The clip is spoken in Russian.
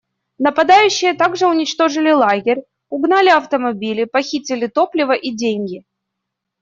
Нападающие также уничтожили лагерь, угнали автомобили, похитили топливо и деньги.